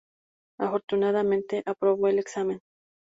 Afortunadamente, aprobó el examen.